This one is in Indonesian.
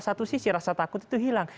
satu sisi rasa takut itu hilang